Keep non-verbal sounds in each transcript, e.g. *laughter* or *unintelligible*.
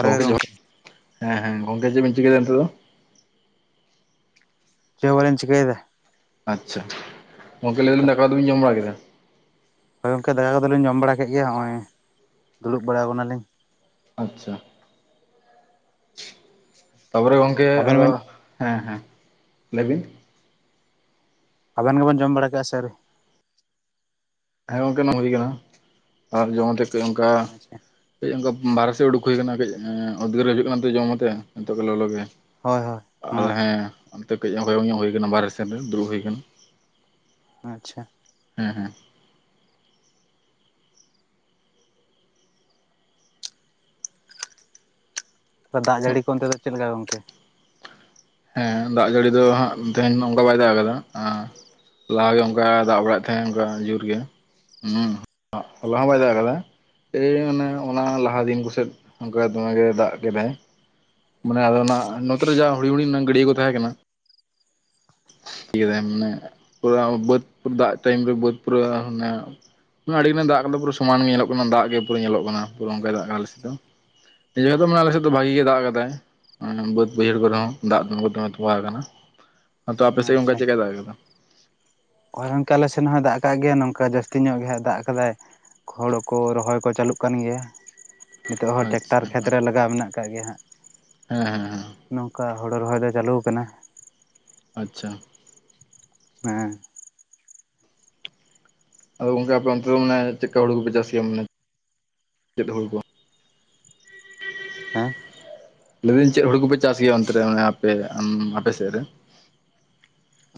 ᱜᱚᱝᱠᱮ ᱡᱚᱦᱟᱨ ᱦᱮᱸ ᱦᱮᱸ ᱜᱚᱝᱠᱮ ᱡᱮᱫ ᱵᱤᱱ ᱪᱤᱠᱟᱹ ᱭᱮᱫᱟ ᱱᱤᱛᱚᱜ ᱫᱚ ᱡᱮᱫ ᱦᱚᱸ ᱵᱟᱞᱮᱧ ᱪᱤᱠᱟᱹᱭᱮᱫᱟ ᱟᱪᱪᱷᱟ ᱜᱚᱝᱠᱮ ᱞᱟᱹᱭ ᱵᱤᱱ ᱱᱚᱝᱠᱟ ᱫᱟᱠᱟ ᱩᱛᱩ ᱵᱤᱱ ᱡᱚᱢ ᱵᱟᱲᱟ ᱠᱮᱫᱟ ᱦᱳᱭ ᱜᱚᱢᱠᱮ ᱫᱟᱠᱟ ᱠᱚᱫᱚ ᱞᱤᱧ ᱡᱚᱢ ᱵᱟᱲᱟ ᱠᱮᱫ ᱜᱮᱭᱟ ᱱᱚᱜᱼᱚᱭ ᱫᱩᱲᱩᱵ ᱵᱟᱲᱟ ᱟᱠᱟᱱᱟᱞᱤᱧ᱾ ᱟᱪᱪᱷᱟ ᱛᱟᱯᱚᱨᱮ ᱜᱚᱝᱠᱮ ᱟᱵᱮᱱ ᱟᱫᱚ ᱵᱮᱱ ᱦᱮᱸ ᱦᱮᱸ ᱞᱟᱹᱭ ᱵᱤᱱ ᱟᱵᱮᱱ ᱜᱮᱵᱮᱱ ᱡᱚᱢ ᱵᱟᱲᱟ ᱠᱮᱜᱼᱟ ᱪᱮ ᱟᱹᱣᱨᱤ ᱦᱮᱸ ᱜᱚᱝᱠᱮ ᱚᱱᱟ ᱦᱩᱭ ᱟᱠᱟᱱᱟ ᱟᱨ ᱡᱚᱢ ᱠᱟᱛᱮ ᱠᱟᱹᱡ ᱚᱱᱠᱟ ᱟᱪᱪᱷᱟ ᱠᱟᱹᱡ ᱚᱱᱠᱟ ᱵᱟᱦᱨᱮ ᱥᱮᱫ ᱩᱰᱩᱠ ᱦᱩᱭ ᱟᱠᱟᱱᱟ ᱠᱟᱹᱡ ᱩᱫᱽᱜᱟᱹᱨ ᱦᱩᱭᱩᱜ ᱠᱟᱱᱟ ᱛᱚ ᱡᱚᱢ ᱠᱟᱛᱮ ᱱᱤᱛᱚᱜ ᱜᱮ ᱞᱚᱞᱚ ᱜᱮ ᱦᱳᱭ ᱦᱳᱭ ᱟᱫᱚ ᱦᱚᱸ ᱦᱮᱸ ᱚᱱᱛᱮ ᱠᱟᱹᱡ ᱦᱚᱭᱚᱝ ᱧᱚᱜ ᱦᱩᱭ ᱟᱠᱟᱱᱟ ᱵᱟᱦᱨᱮ ᱥᱮᱱ ᱨᱮ ᱫᱩᱲᱩᱵ ᱦᱩᱭ ᱟᱠᱟᱱᱟ᱾ ᱟᱪᱪᱷᱟ ᱦᱮᱸ ᱦᱮᱸ ᱫᱟᱜ ᱡᱟᱹᱲᱤ ᱠᱚ ᱚᱱᱛᱮ ᱫᱚ ᱪᱮᱫ ᱞᱮᱠᱟ ᱜᱚᱝᱠᱮ ᱦᱮᱸ ᱫᱟᱜ ᱡᱟᱹᱲᱤ ᱫᱚ ᱦᱟᱸᱜ ᱛᱮᱦᱮᱧ ᱢᱟ ᱚᱱᱠᱟ ᱵᱟᱭ ᱫᱟᱜ ᱟᱠᱟᱫᱟ ᱟᱸ ᱞᱟᱦᱟᱜᱮ ᱚᱱᱠᱟ ᱫᱟᱜ ᱵᱟᱲᱟᱭᱮᱫ ᱛᱟᱦᱮᱸᱫ ᱚᱱᱠᱟ ᱡᱳᱨᱜᱮ ᱦᱩᱸ ᱦᱚᱞᱟ ᱦᱚᱸ ᱵᱟᱭ ᱫᱟᱜ ᱟᱠᱟᱫᱟ ᱮᱭ ᱢᱟᱱᱮ ᱚᱱᱟ ᱞᱟᱦᱟ ᱫᱤᱱ ᱠᱚᱥᱮᱫ ᱚᱱᱠᱟ ᱫᱚᱢᱮ ᱜᱮᱭ ᱫᱟᱜ ᱠᱮᱫᱟᱭ ᱢᱟᱱᱮ ᱟᱫᱚ ᱚᱱᱟ ᱱᱚᱛᱮ ᱨᱮ ᱡᱟᱦᱟᱸ ᱦᱩᱲᱤᱧ ᱦᱩᱲᱤᱧ ᱨᱮᱱᱟᱜ ᱜᱟᱹᱰᱭᱟᱹ ᱠᱚ ᱛᱟᱦᱮᱸ ᱠᱟᱱᱟ *inaudible* ᱢᱟᱱᱮ ᱯᱩᱨᱟᱹ ᱵᱟᱹᱫᱽ ᱫᱟᱜ ᱴᱟᱭᱤᱢ ᱨᱮ ᱵᱟᱹᱫᱽ ᱯᱩᱨᱟᱹ ᱚᱱᱟ ᱟᱹᱰᱤ ᱜᱟᱱᱮ ᱫᱟᱜ ᱟᱠᱟᱫᱟ ᱯᱩᱨᱟᱹ ᱥᱚᱢᱟᱱ ᱜᱮ ᱧᱮᱞᱚᱜ ᱠᱟᱱᱟ ᱫᱟᱜ ᱜᱮ ᱯᱩᱨᱟᱹ ᱧᱮᱞᱚᱜ ᱠᱟᱱᱟ ᱯᱩᱨᱟᱹ ᱚᱱᱠᱟᱭ ᱫᱟᱜ ᱟᱠᱟᱱᱟ ᱟᱞᱮ ᱥᱮᱱ ᱫᱚ ᱡᱮ ᱫᱚ ᱢᱟᱱᱮ ᱟᱞᱮ ᱥᱮᱫ ᱫᱚ ᱵᱷᱟᱜᱤ ᱜᱮ ᱫᱟᱜ ᱟᱠᱟᱫᱟᱭ ᱵᱟᱹᱫᱽ ᱵᱟᱹᱭᱦᱟᱹᱲ ᱠᱚᱨᱮ ᱦᱚᱸ ᱫᱟᱜ ᱫᱚ ᱜᱳᱴᱟ ᱛᱚᱢᱵᱟᱣ ᱟᱠᱟᱱᱟ ᱛᱚ ᱟᱯᱮ ᱥᱮᱫ ᱚᱱᱠᱟ ᱪᱮᱫ ᱠᱟᱭ ᱫᱟᱜ ᱠᱟᱫᱟ ᱦᱚᱭ ᱜᱚᱝᱠᱮ ᱟᱞᱮ ᱥᱮᱱ ᱦᱚᱸᱭ ᱫᱟᱜ ᱠᱟᱜ ᱜᱮᱭᱟ ᱱᱚᱝᱠᱟ ᱡᱟᱹᱥᱛᱤ ᱧᱚᱜ ᱜᱮ ᱦᱟᱸᱜ ᱫᱟᱜ ᱟᱠᱟᱫᱟᱭ ᱾ ᱦᱳᱲᱳ ᱠᱚ ᱨᱚᱦᱚᱭ ᱠᱚ ᱪᱟᱹᱞᱩᱜ ᱠᱟᱱ ᱜᱮᱭᱟ ᱾ ᱱᱤᱛᱳᱜ ᱦᱚᱸ ᱟᱪᱪᱷᱟ ᱴᱮᱠᱴᱟᱨ ᱠᱷᱮᱛ ᱦᱮᱸ ᱨᱮ ᱞᱟᱜᱟᱣ ᱢᱮᱱᱟᱜ ᱟᱠᱟᱜ ᱜᱮᱭᱟ ᱦᱟᱸᱜ ᱦᱮᱸ ᱦᱮᱸ ᱾ ᱱᱚᱝᱠᱟ ᱦᱳᱲᱳ ᱨᱚᱦᱚᱭ ᱫᱚ ᱪᱟᱹᱞᱩᱣ ᱠᱟᱱᱟ ᱾ ᱟᱪᱪᱷᱟ *unintelligible* ᱟᱫᱚ ᱜᱚᱢᱠᱮ ᱟᱯᱮ ᱚᱱᱛᱮ ᱫᱚ ᱢᱟᱱᱮ ᱪᱮᱜᱠᱟ ᱦᱩᱲᱩ ᱠᱚᱯᱮ ᱪᱟᱥ ᱜᱮᱭᱟ ᱢᱟᱱᱮ ᱪᱮᱫ ᱦᱩᱲᱩ ᱠᱚ *inaudible* ᱦᱮᱸ ᱞᱟᱹᱭ ᱫᱟᱹᱧ ᱪᱮᱜ ᱦᱳᱲᱩ ᱠᱚᱯᱮ ᱪᱟᱥ ᱜᱮᱭᱟ ᱚᱱᱛᱮ ᱨᱮ ᱟᱯᱮ ᱟᱯᱮ ᱥᱮᱫ ᱨᱮ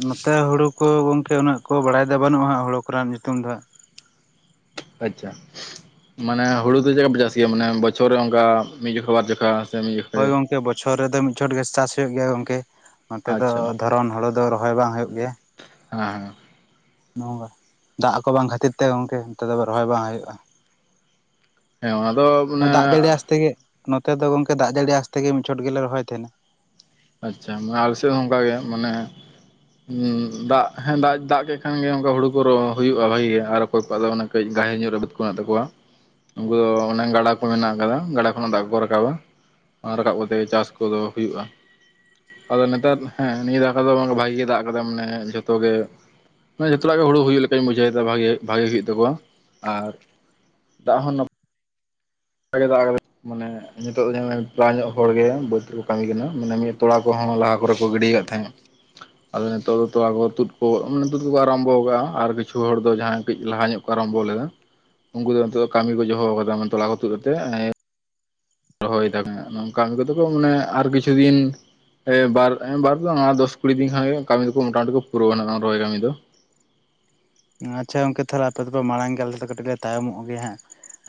ᱱᱚᱛᱮ ᱦᱩᱲᱩ ᱠᱚ ᱜᱚᱝᱠᱮ ᱩᱱᱟᱹᱜ ᱠᱚ ᱵᱟᱲᱟᱭ ᱫᱚ ᱵᱟᱹᱱᱩᱜᱼᱟ ᱦᱟᱸᱜ ᱦᱳᱲᱩ ᱠᱚᱨᱮᱱᱟᱜ ᱧᱩᱛᱩᱢ ᱫᱚ ᱦᱟᱸᱜ ᱾ ᱟᱪᱪᱷᱟ ᱢᱟᱱᱮ ᱦᱩᱲᱩ ᱫᱚ ᱪᱮᱫ ᱞᱮᱠᱟ ᱯᱮ ᱪᱟᱥ ᱜᱮᱭᱟ ᱢᱟᱱᱮ ᱵᱚᱪᱷᱚᱨ ᱨᱮ ᱚᱱᱠᱟ ᱢᱤᱫ ᱡᱚᱠᱷᱟ ᱵᱟᱨ ᱡᱚᱠᱷᱟ ᱾ ᱦᱳᱭ ᱜᱚᱝᱠᱮ ᱵᱚᱪᱷᱚᱨ ᱨᱮᱫᱚ ᱢᱤᱫ ᱪᱷᱚᱴ ᱜᱮ ᱪᱟᱥ ᱦᱳᱭᱳᱜ ᱜᱮᱭᱟ ᱜᱚᱝᱠᱮ ᱱᱚᱛᱮ ᱫᱚ ᱟᱪᱪᱷᱟ ᱫᱷᱚᱨᱚᱱ ᱦᱚᱲᱚ ᱫᱚ ᱨᱚᱦᱚᱭ ᱵᱟᱝ ᱦᱩᱭᱩᱜ ᱜᱮᱭᱟ᱾ ᱟ ᱱᱚᱝᱠᱟ ᱫᱟᱜ ᱠᱚ ᱵᱟᱝ ᱠᱷᱟᱹᱛᱤᱨ ᱛᱮ ᱜᱚᱝᱠᱮ ᱱᱚᱛᱮ ᱫᱚ ᱨᱚᱦᱚᱭ ᱵᱟᱝ ᱦᱳᱭᱳᱜᱼᱟ᱾ ᱦᱮᱸ ᱚᱱᱟ ᱫᱚ ᱢᱟᱱᱮ ᱫᱟᱜ ᱡᱟᱹᱲᱤ ᱟᱸᱥ ᱛᱮᱜᱮ ᱱᱚᱛᱮ ᱫᱚ ᱜᱚᱝᱠᱮ ᱫᱟᱜ ᱡᱟᱹᱲᱤ ᱟᱸᱥ ᱛᱮᱜᱮ ᱢᱤᱫ ᱪᱷᱚᱴ ᱜᱮᱞᱮ ᱨᱚᱦᱚᱭ ᱛᱟᱦᱮᱱᱟ᱾ ᱟᱪᱪᱷᱟ ᱟᱞᱮ ᱥᱮᱜ ᱦᱚᱸ ᱚᱝᱠᱟ ᱜᱮ ᱢᱟᱱᱮ ᱦᱩᱸ ᱫᱟᱜ ᱦᱮᱸ ᱫᱟᱜ ᱫᱟᱜ ᱠᱮᱜ ᱠᱷᱟᱱ ᱜᱮ ᱚᱝᱠᱟ ᱦᱩᱲᱩ ᱠᱚ ᱨᱚ ᱦᱩᱭᱩᱜᱼᱟ ᱵᱷᱟᱹᱜᱤ ᱜᱮ ᱟᱨ ᱚᱠᱚᱭ ᱠᱚᱣᱟᱜ ᱫᱚ ᱢᱟᱱᱮ ᱠᱟᱹᱡ ᱜᱟᱹᱦᱤᱨ ᱧᱚᱜ ᱨᱮ ᱵᱟᱹᱫᱽ ᱠᱚ ᱢᱮᱱᱟᱜ ᱛᱟᱠᱚᱣᱟ ᱾ ᱩᱱᱠᱩ ᱫᱚ ᱚᱱᱮ ᱜᱟᱰᱟ ᱠᱚ ᱢᱮᱱᱟᱜ ᱠᱟᱫᱟ ᱜᱟᱰᱟ ᱠᱷᱚᱱᱟᱜ ᱫᱟᱜ ᱠᱚ ᱨᱟᱠᱟᱵᱟ᱾ ᱟᱨ ᱨᱟᱠᱟᱵ ᱠᱟᱛᱮ ᱪᱟᱥ ᱠᱚᱫᱚ ᱦᱩᱭᱩᱜᱼᱟ ᱾ ᱟᱫᱚ ᱱᱮᱛᱟᱨ ᱦᱮᱸ ᱱᱤᱭᱟᱹ ᱫᱷᱟᱠᱟ ᱫᱚ ᱵᱷᱟᱜᱮ ᱜᱮ ᱫᱟᱜ ᱠᱟᱫᱟ ᱢᱟᱱᱮ ᱡᱷᱚᱛᱚ ᱜᱮ ᱢᱟᱱᱮ ᱡᱷᱚᱛᱚ ᱦᱚᱲᱟᱜ ᱜᱮ ᱦᱩᱲᱩ ᱦᱩᱭᱩᱜ ᱞᱮᱠᱟᱧ ᱵᱩᱡᱷᱟᱹᱣ ᱮᱫᱟ ᱵᱷᱟᱜᱮ ᱵᱷᱟᱜᱮ ᱦᱩᱭᱩᱜ ᱛᱟᱠᱚᱣᱟ ᱟᱨ ᱫᱟᱜ ᱦᱚᱸ ᱱᱚ ᱱᱟᱯᱟᱭ ᱜᱮᱭ ᱫᱟᱜ ᱠᱟᱫᱟᱭ ᱢᱟᱱᱮ ᱱᱤᱛᱚᱜ ᱫᱚ ᱡᱟᱦᱟᱭ ᱯᱨᱟᱭ ᱧᱚᱜ ᱦᱚᱲᱜᱮ ᱵᱟᱹᱫᱽ ᱨᱮᱠᱚ ᱠᱟᱹᱢᱤ ᱠᱟᱱᱟ ᱾ ᱢᱟᱱᱮ ᱢᱤᱫ ᱛᱚᱲᱟ ᱠᱚᱦᱚᱸ ᱞᱟᱦᱟ ᱠᱚᱨᱮ ᱠᱚ ᱜᱤᱰᱤᱭ ᱠᱟᱜ ᱛᱟᱦᱮᱸᱫ ᱾ ᱟᱫᱚ ᱱᱤᱛᱳᱜ ᱫᱚ ᱛᱚᱲᱟ ᱠᱚ ᱛᱩᱫ ᱠᱚ ᱢᱟᱱᱮ ᱛᱩᱫ ᱠᱚᱠᱚ ᱟᱨᱚᱢᱵᱚ ᱠᱟᱜᱼᱟ᱾ ᱟᱨ ᱠᱤᱪᱷᱩ ᱦᱚᱲ ᱫᱚ ᱡᱟᱦᱟᱸᱭ ᱠᱟᱹᱡ ᱞᱟᱦᱟ ᱧᱚᱜ ᱟᱨᱚᱢᱵᱚ ᱞᱮᱫᱟ ᱩᱱᱠᱩ ᱫᱚ ᱱᱤᱛᱚᱜ ᱫᱚ ᱠᱟᱹᱢᱤ ᱠᱚ ᱡᱚᱦᱚ ᱟᱠᱟᱫᱟ᱾ ᱢᱟᱱᱮ ᱛᱚᱞᱟ ᱠᱚ ᱛᱩᱫ ᱠᱟᱛᱮᱜ ᱮᱸ ᱨᱚᱦᱚᱭ ᱫᱟ ᱠᱚ ᱦᱟᱸᱜ ᱱᱚᱝᱠᱟᱱ ᱠᱚᱫᱚ ᱠᱚ ᱢᱟᱱᱮ ᱟᱨ ᱠᱤᱪᱷᱩ ᱫᱤᱱ ᱮ ᱵᱟᱨ ᱮᱸ ᱵᱟᱨ ᱫᱚ ᱵᱟᱝ ᱟᱨ ᱫᱚᱥ ᱠᱩᱲᱤ ᱫᱤᱱ ᱠᱷᱟᱱ ᱜᱮ ᱠᱟᱹᱢᱤ ᱫᱚᱠᱚ ᱢᱚᱴᱟᱢᱩᱴᱤ ᱠᱚ ᱯᱩᱨᱟᱹᱣ-ᱟ ᱱᱟᱜ ᱨᱚᱦᱚᱭ ᱠᱟᱹᱢᱤ ᱫᱚ᱾ ᱟᱪᱪᱷᱟ ᱜᱚᱝᱠᱮ ᱛᱟᱦᱚᱞᱮ ᱟᱯᱮ ᱫᱚᱯᱮ ᱢᱟᱲᱟᱝ ᱜᱮᱭᱟ ᱟᱞᱮ ᱫᱚ ᱠᱟᱹᱴᱤᱡ ᱞᱮ ᱛᱟᱭᱚᱢᱚᱜ ᱜᱮᱭᱟ ᱦᱟᱸᱜ᱾